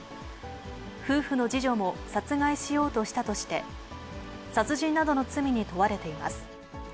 夫婦の次女も殺害しようとしたとして、殺人などの罪に問われています。